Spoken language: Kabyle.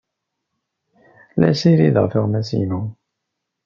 La ssirideɣ tuɣmas-inu.